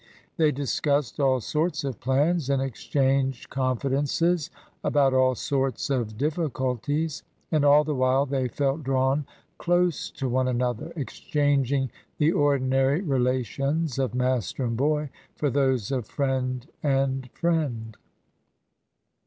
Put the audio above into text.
They discussed all sorts of plans, and exchanged confidences about all sorts of difficulties. And all the while they felt drawn close to one another, exchanging the ordinary relations of master and boy for those of friend and friend.